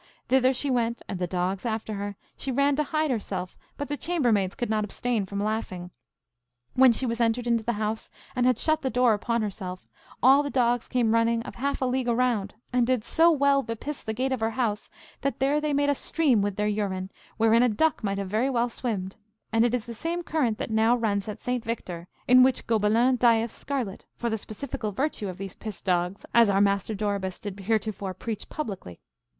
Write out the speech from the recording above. Thither she went, and the dogs after her; she ran to hide herself, but the chambermaids could not abstain from laughing. When she was entered into the house and had shut the door upon herself, all the dogs came running of half a league round, and did so well bepiss the gate of her house that there they made a stream with their urine wherein a duck might have very well swimmed, and it is the same current that now runs at St. Victor, in which Gobelin dyeth scarlet, for the specifical virtue of these piss dogs, as our master Doribus did heretofore preach publicly.